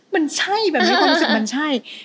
มันใช่มีความรู้สึกมันใช่